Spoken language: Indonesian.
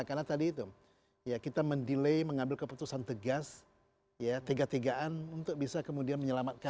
karena kita mendelay mengambil keputusan tegas ya tega tegaan untuk bisa kemudian menyelamatkan